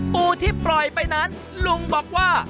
ปูที่ปล่อยไปนั้นลุงบอกว่า